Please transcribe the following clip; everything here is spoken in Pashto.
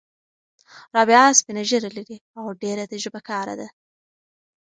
رابعه سپینه ږیره لري او ډېره تجربه کاره ده.